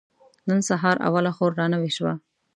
نن سهار اوله خور را نوې شوه.